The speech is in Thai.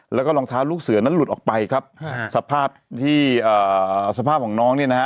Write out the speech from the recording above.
แล้วก็รองเท้าลูกเสือนั้นหลุดออกไปครับสภาพที่สภาพของน้องเนี่ยนะฮะ